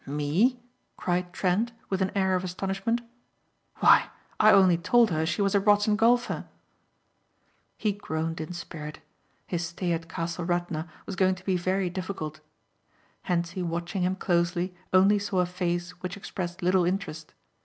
"Me?" cried Trent with an air of astonishment, "why I only told her she was a rotten golfer." He groaned in spirit. His stay at Castle Radna was going to be very difficult. Hentzi watching him closely only saw a face which expressed little interest.